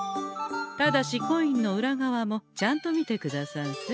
ただしコインの裏側もちゃんと見てくださんせ。